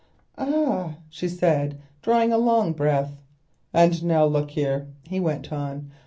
"Ah!" she said, drawing a long breath. "And now look here," he went on.